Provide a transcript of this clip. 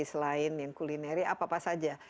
selain yang kulineri apa apa saja